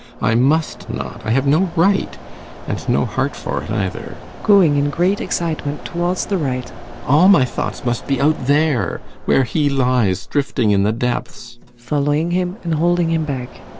I must not I have no right and no heart for it, either. [Going in great excitement towards the right.] All my thoughts must be out there, where he lies drifting in the depths! ASTA. [Following him and holding him back.